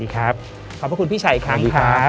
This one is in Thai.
ขอบคุณพี่ชัยครั้งครับ